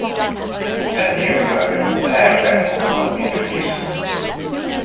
A new mode, Tag Battle, was introduced.